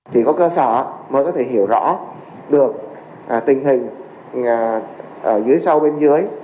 chỉ có cơ sở mới có thể hiểu rõ được tình hình ở dưới sau bên dưới